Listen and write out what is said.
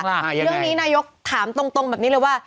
เรื่องนี้นายกถามตรงแบบนี้เลยว่า